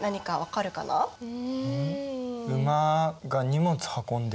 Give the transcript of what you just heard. うん。